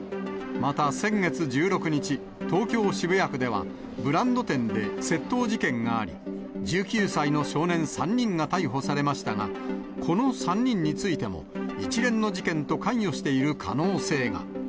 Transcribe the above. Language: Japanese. また、先月１６日、東京・渋谷区では、ブランド店で窃盗事件があり、１９歳の少年３人が逮捕されましたが、この３人についても、一連の事件と関与している可能性が。